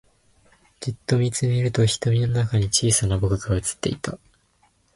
じっと見つめると瞳の中に小さな僕が映っていた